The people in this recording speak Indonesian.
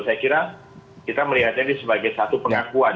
saya kira kita melihatnya ini sebagai satu pengakuan